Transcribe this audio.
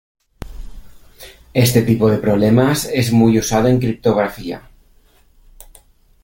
Este tipo de problemas es muy usado en criptografía.